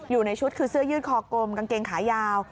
อยู่ในชุดคือเสื้อยืดคอกลมกางเกงขายาว